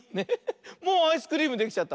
もうアイスクリームできちゃった。